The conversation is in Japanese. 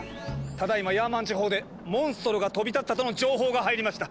ただいまヤーマン地方でモンストロが飛び立ったとの情報が入りました。